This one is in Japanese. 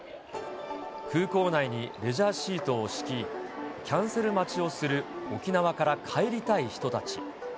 空港内にレジャーシートを敷き、キャンセル待ちをする、沖縄から帰りたい人たち。